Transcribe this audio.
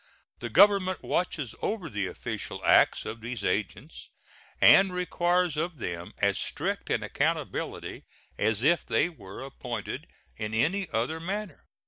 The Government watches over the official acts of these agents, and requires of them as strict an accountability as if they were appointed in any other manner.